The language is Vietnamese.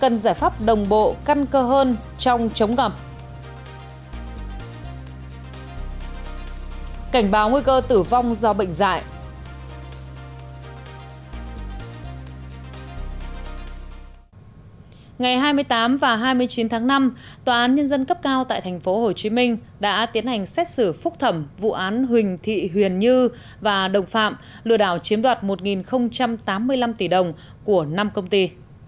ngày hai mươi tám và hai mươi chín tháng năm tòa án nhân dân cấp cao tại tp hcm đã tiến hành xét xử phúc thẩm vụ án huỳnh thị huyền như và đồng phạm lừa đảo chiếm đoạt một tám mươi năm tỷ đồng của năm công ty